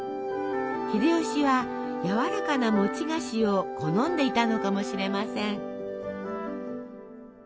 秀吉はやわらかな餅菓子を好んでいたのかもしれません。